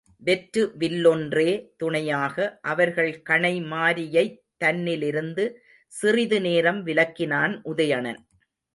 வெற்று வில்லொன்றே துணையாக, அவர்கள் கணை மாரியைத் தன்னிலிருந்து சிறிது நேரம் விலக்கினான் உதயணன்.